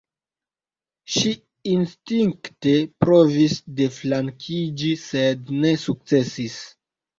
Ŝi instinkte provis deflankiĝi, sed ne sukcesis.